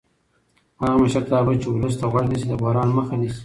هغه مشرتابه چې ولس ته غوږ نیسي د بحران مخه نیسي